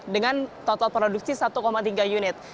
dengan total produksi satu tiga unit